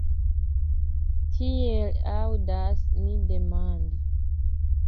Tiel aŭdas ni demandi.